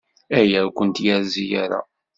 Aya ur kent-yerzi ara.